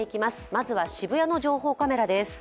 まずは渋谷の情報カメラです。